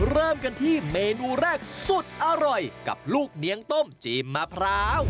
เริ่มกันที่เมนูแรกสุดอร่อยกับลูกเลี้ยงต้มจีนมะพร้าว